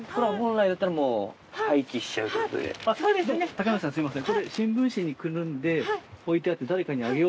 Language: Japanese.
竹ノ内さんすいません。